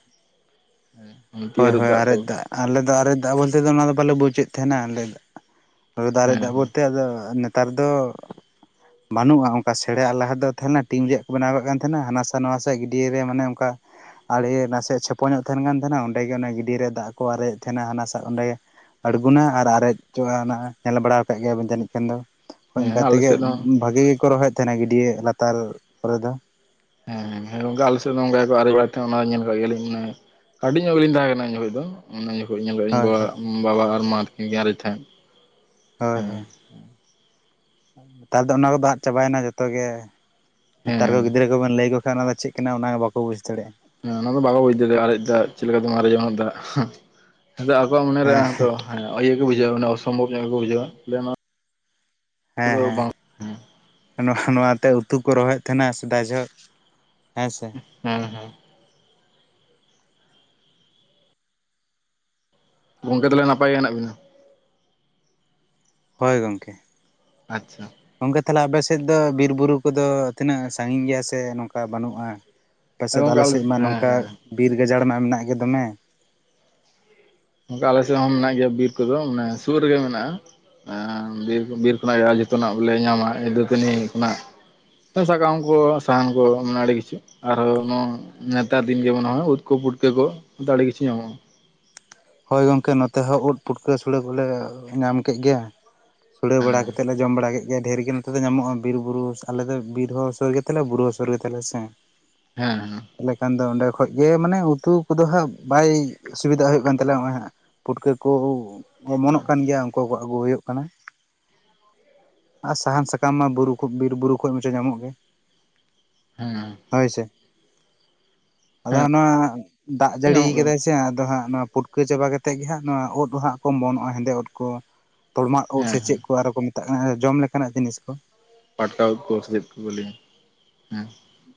ᱦᱮᱸ᱾ ᱦᱳᱭ ᱦᱳᱭ ᱟᱨᱮᱡ ᱫᱟᱜ, ᱟᱞᱮ ᱫᱚ ᱟᱨᱮᱡ ᱫᱟᱜ ᱵᱚᱞᱛᱮ ᱫᱚ ᱚᱱᱟ ᱫᱚ ᱵᱟᱞᱮ ᱵᱩᱡᱽᱮᱫ ᱛᱟᱦᱮᱱᱟ ᱟᱞᱮ ‌ᱫᱚ᱾ ᱦᱳᱭ ᱫᱟᱜ ᱟᱨᱮᱡ‌ ᱦᱮᱸ ᱫᱟᱜ ᱵᱚᱞᱛᱮ ᱟᱫᱚ ᱱᱮᱛᱟᱨ ᱫᱚ ᱵᱟᱱᱩᱜ-ᱟ ᱚᱝᱠᱟ ᱥᱮᱲᱮ-ᱟ ᱞᱟᱦᱟ ᱛᱮᱫᱚ ᱛᱟᱦᱮᱸ ᱞᱮᱱᱟ ᱴᱤᱧ ᱨᱮᱭᱟᱜ ᱠᱚ ᱵᱮᱱᱟᱣ ᱠᱟᱜ ᱠᱟᱱ ᱛᱮᱦᱮᱸᱱᱟ ᱦᱟᱱᱟ ᱥᱟ ᱱᱚᱣᱟ ᱥᱟ ᱜᱤᱰᱭᱟᱹ ᱨᱮ ᱢᱟᱱᱮ ᱚᱱᱠᱟ ᱟᱲᱮ ᱱᱟᱥᱮᱭᱟᱜ ᱪᱷᱮᱯᱚ ᱧᱚᱜ ᱛᱟᱦᱮᱱ ᱠᱟᱱ ᱛᱮᱦᱮᱱᱟ ᱚᱸᱰᱮ ᱜᱮ ᱚᱱᱮ ᱜᱤᱰᱭᱟᱹ ᱨᱮ ᱫᱟᱜ ᱠᱚ ᱟᱨᱮᱡ ᱮᱫ ᱛᱟᱦᱮᱱᱟ ᱦᱟᱱᱟ ᱥᱟᱜ ᱚᱸᱰᱮ ᱟᱬᱜᱩᱱᱟ ᱟᱨ ᱟᱨᱮᱪᱪᱚᱜ-ᱟ ᱚᱱᱟ, ᱧᱮᱞ ᱵᱟᱲᱟᱣ ᱠᱟᱜ ᱜᱮᱭᱟ ᱵᱮᱱ ᱡᱟᱱᱤᱡ ᱠᱷᱟᱱ ᱫᱚ᱾ ᱦᱳᱣ‌ ᱚᱱᱠᱟ ᱦᱮᱸ ᱟᱞᱮ ᱛᱮᱜᱮ ᱥᱮᱫ ᱦᱚᱸ ᱵᱷᱟᱜᱮ ᱜᱮᱠᱚ ᱨᱚᱦᱚᱭᱮᱫ ᱛᱮᱦᱮᱱᱟ ᱜᱤᱰᱭᱟᱹ ᱞᱟᱛᱟᱨ ᱠᱚᱨᱮ ᱫᱚ᱾ ᱦᱮᱸ, ᱦᱮᱸ ᱜᱚᱝᱠᱮ ᱟᱞᱮ ᱥᱮᱫ ᱫᱚ ᱚᱱᱠᱟ ᱜᱮᱠᱚ ᱟᱨᱮᱡ ᱵᱟᱲᱟᱭᱮᱫ ᱛᱟᱦᱮᱸᱜ ᱚᱱᱟ ᱧᱮᱞ ᱠᱟᱜ ᱜᱮᱭᱟ ᱞᱤᱧ ᱢᱟᱱᱮ ᱠᱟᱹᱴᱤᱡ ᱧᱚᱜ ᱜᱮᱞᱤᱧ ᱛᱟᱦᱮᱸᱜ ᱠᱟᱱᱟ ᱩᱱ ᱡᱚᱠᱷᱚᱡ ᱫᱚ᱾ ᱚᱱᱟ ᱡᱚᱠᱷᱚᱡ ᱤᱧ ᱧᱮᱞ ᱠᱟᱫᱟ ᱤᱧ ᱦᱳᱭ ᱵᱟ ᱦᱳᱭ ᱵᱟᱵᱟ ᱟᱨ ᱢᱟ ᱛᱟᱹᱠᱤᱱ ᱠᱤᱱ ᱟᱨᱮᱡ ᱛᱟᱦᱮᱸᱫ᱾ ᱦᱳᱭ ᱦᱮᱸ ᱦᱳᱭ᱾ ᱱᱮᱛᱟᱨ ᱫᱚ ᱚᱱᱟ ᱠᱚᱫᱚ ᱟᱫ ᱪᱟᱵᱟᱭ ᱱᱟ ᱡᱷᱚᱛᱚ ᱜᱮ, ᱱᱮᱛᱟᱨ ᱦᱮᱸ ᱠᱚ ᱜᱤᱫᱽᱨᱟᱹ ᱠᱚᱵᱮᱱ ᱞᱟᱹᱭ ᱟᱠᱚ ᱠᱷᱟᱱ ᱚᱱᱟ ᱫᱚ ᱪᱮᱫ ᱠᱟᱱᱟ ᱚᱱᱟ ᱜᱮ ᱵᱟᱠᱚ ᱵᱩᱡᱽ ᱫᱟᱲᱮᱜ-ᱟ᱾ ᱦᱮᱸ ᱚᱱᱟ ᱫᱚ ᱵᱟᱠᱚ ᱵᱩᱡᱽ ᱫᱮᱲᱮᱜ-ᱟ ᱟᱨᱮᱡ ᱫᱟᱜ ᱪᱮᱫ ᱞᱮᱠᱟ ᱛᱮᱢ ᱟᱨᱮᱡᱟ‌ ᱚᱱᱟ ᱫᱟᱜ, ᱦᱚᱸ᱾ ᱟᱫᱚ ᱟᱠᱚᱣᱟᱜ ᱢᱚᱱᱮ ᱨᱮ ᱦᱮᱸ ᱦᱚᱸᱛᱚ ᱦᱮᱸ ᱤᱭᱟᱹ ᱠᱚ ᱵᱩᱡᱷᱟᱹᱣᱟ ᱢᱟᱱᱮ ᱚᱥᱚᱢᱵᱷᱚᱵᱽ ᱧᱚᱜ ᱜᱮᱠᱚ ᱵᱩᱡᱷᱟᱹᱣᱟ, ᱞᱟᱹᱭᱟ ᱚᱱᱟ ᱦᱮᱸ ᱦᱮᱸ᱾ ᱦᱮᱸ ᱱᱚᱣᱟ ᱱᱚᱣᱟᱛᱮ ᱩᱛᱩ ᱠᱚ ᱨᱚᱦᱚᱭᱮᱫ ᱛᱟᱦᱮᱱᱟ ᱥᱮᱫᱟᱭ ᱡᱚᱦᱚᱜ, ᱦᱮᱸ ᱥᱮ? ᱦᱮᱸ ᱦᱮᱸ᱾ ᱜᱚᱝᱠᱮ ᱛᱟᱞᱦᱮ ᱱᱟᱯᱟᱭ ᱜᱮ ᱦᱮᱱᱟᱜ ᱵᱤᱱᱟ? ᱦᱳᱭ ᱜᱚᱝᱠᱮ᱾ ᱟᱪᱪᱷᱟ᱾ ᱜᱚᱝᱠᱮ ᱛᱟᱞᱦᱮ ᱟᱯᱮ ᱥᱮᱫ ᱫᱚ ᱵᱤᱨ ᱵᱩᱨᱩ ᱠᱚᱫᱚ ᱛᱤᱱᱟᱹᱜ ᱥᱟᱺᱜᱤᱧ ᱜᱮᱭᱟ ᱥᱮ ᱱᱚᱝᱠᱟ ᱵᱟᱹᱱᱩᱜᱼᱟ? ᱯᱟᱪᱮᱫ ᱜᱚᱝᱠᱮ ᱟᱞᱮ ᱥᱮᱫ ᱢᱟ ᱦᱮᱸ ᱱᱚᱝᱠᱟ ᱦᱮᱸ ᱵᱤᱨ ᱜᱟᱡᱟᱲ ᱢᱟ ᱢᱮᱱᱟᱜ ᱜᱮ ᱫᱚᱢᱮ᱾ ᱚᱱᱠᱟ ᱟᱞᱮ ᱥᱮᱫ ᱦᱚᱸ ᱢᱮᱱᱟᱜ ᱜᱮᱭᱟ ᱵᱤᱨ ᱠᱚᱫᱚ ᱢᱟᱱᱮ ᱥᱩᱨ ᱨᱮᱜᱮ ᱢᱮᱱᱟᱜᱼᱟ ᱵᱤᱨ ᱵᱤᱨ ᱠᱷᱚᱱᱟᱜ ᱜᱮ *inaudible* ᱡᱷᱚᱛᱚᱱᱟᱜ ᱜᱮᱞᱮ ᱧᱟᱢᱟ ᱮᱭ ᱫᱟᱹᱛᱟᱹᱱᱤ ᱠᱷᱚᱱᱟᱜ ᱮ ᱥᱟᱠᱟᱢ ᱠᱚ, ᱥᱟᱦᱟᱱ ᱠᱚ ᱢᱟᱱᱮ ᱟᱹᱰᱤ ᱠᱤᱪᱷᱩ, ᱟᱨᱦᱚᱸ ᱱᱚᱣᱟ ᱱᱮᱛᱟᱨ ᱫᱤᱱ ᱡᱮᱢᱚᱱ ᱦᱚᱸᱜᱼᱚᱭ ᱩᱫ ᱠᱚ ᱯᱩᱴᱠᱟᱹ ᱠᱚ ᱟᱫᱚ ᱟᱹᱰᱤ ᱠᱤᱪᱷᱩ ᱧᱟᱢᱚᱜᱼᱟ᱾ ᱦᱳᱭ ᱜᱚᱝᱠᱮ ᱱᱚᱛᱮ ᱦᱚᱸ ᱩᱫ ᱯᱩᱴᱠᱟᱹ ᱥᱳᱲᱮ ᱠᱚᱞᱮ ᱧᱟᱢ ᱠᱮᱫ ᱜᱮᱭᱟ, ᱥᱳᱲᱮ ᱵᱟᱲᱟ ᱦᱮᱸ ᱠᱟᱛᱮᱫ ᱞᱮ ᱡᱚᱢ ᱵᱟᱲᱟ ᱠᱮᱫ ᱜᱮᱭᱟ ᱰᱷᱮᱨ ᱜᱮ ᱱᱚᱛᱮ ᱫᱚ ᱧᱟᱢᱼᱟ ᱵᱤᱨ ᱵᱩᱨᱩ ᱟᱞᱮ ᱫᱚ ᱵᱤᱨ ᱦᱚᱸ ᱥᱩᱨ ᱜᱮᱛᱟᱞᱮᱭᱟ ᱵᱩᱨᱩ ᱦᱚᱸ ᱥᱩᱨ ᱜᱮᱛᱟᱞᱮᱭᱟ ᱥᱮ᱾ ᱦᱮᱸ ᱦᱮᱸ᱾ ᱛᱟᱞᱦᱮ ᱠᱷᱟᱱ ᱫᱚ ᱚᱸᱰᱮ ᱠᱷᱚᱡ ᱜᱮ ᱢᱟᱱᱮ ᱩᱛᱩ ᱠᱚᱫᱚ ᱦᱟᱸᱜ ᱵᱟᱭ ᱚᱥᱩᱵᱤᱫᱟᱜ ᱦᱩᱭᱩᱜ ᱠᱟᱱ ᱛᱟᱞᱦᱮ ᱱᱚᱜ-ᱚᱭ ᱦᱟᱸᱜ ᱯᱩᱴᱠᱟᱹ ᱠᱚ ᱚᱢᱚᱱᱚᱜ ᱠᱟᱱ ᱜᱮᱭᱟ ᱩᱝᱠᱩ ᱠᱚ ᱟᱹᱜᱩ ᱦᱩᱭᱩᱜ ᱠᱟᱱᱟ ᱦᱚᱸᱜ-ᱚᱭ ᱾ ᱟᱨ ᱥᱟᱦᱟᱱ ᱥᱟᱠᱟᱢ ᱢᱟ ᱵᱩᱨᱩ ᱠᱷᱚᱡ ᱵᱤᱨ ᱵᱩᱨᱩ ᱠᱷᱚᱡ *unintelligible* ᱧᱟᱢᱚᱜ ᱜᱮ ᱾ ᱦᱮᱸ ᱾ ᱦᱳᱭ ᱥᱮ ᱟᱫᱚ ᱦᱟᱸᱜ ᱱᱚᱣᱟ ᱫᱟᱜ ᱡᱟᱹᱲᱤ ᱧᱟᱢᱚᱜ ᱠᱟᱱᱟ ᱠᱟᱫᱟᱭ ᱥᱮ ᱟᱫᱚ ᱦᱟᱸᱜ ᱱᱚᱣᱟ ᱯᱩᱴᱠᱟᱹ ᱪᱟᱵᱟ ᱠᱟᱛᱮᱫ ᱜᱮ ᱦᱟᱸᱜ ᱱᱚᱣᱟ ᱩᱫ ᱦᱟᱸᱜ ᱠᱚ ᱚᱢᱚᱱᱚᱜᱼᱟ ᱦᱮᱸᱫᱮ ᱳᱫ ᱠᱚ ᱾ ᱛᱚᱲᱢᱟᱜ ᱳᱫ ᱦᱮᱸ ᱥᱮ ᱦᱮᱸ ᱪᱮᱫ ᱠᱚ ᱟᱨᱚ ᱠᱚ ᱢᱮᱛᱟᱜ ᱠᱟᱱᱟ ᱡᱚᱢ ᱞᱮᱠᱟᱱᱟᱜ ᱡᱤᱱᱤᱥ ᱠᱚ ᱾ ᱯᱟᱴᱠᱟ ᱳᱫ ᱠᱚ ᱥᱮ ᱪᱮᱫ ᱠᱚ ᱠᱚ ᱞᱟᱹᱭ-ᱟ, ᱦᱮᱸ